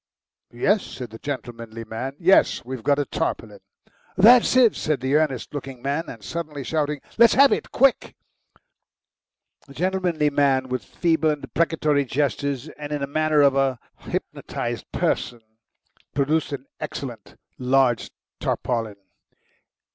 "Yes," said the gentlemanly man. "Yes. We've got a tarpaulin." "That's it," said the earnest looking man, suddenly shouting. "Let's have it, quick!" The gentlemanly man, with feeble and deprecatory gestures, and in the manner of a hypnotised person, produced an excellent large tarpaulin.